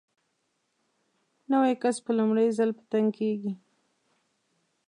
نوی کس په لومړي ځل په تنګ کېږي.